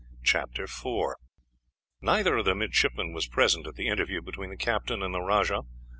CHAPTER IV. Neither of the midshipmen was present at the interview between the captain and the rajah.